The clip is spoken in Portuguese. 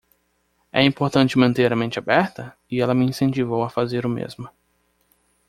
É importante manter a mente aberta? e ela me incentivou a fazer o mesmo.